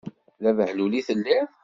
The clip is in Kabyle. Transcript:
D abehlul i telliḍ.